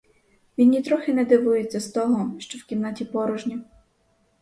Він нітрохи не дивується з того, що в кімнаті порожньо.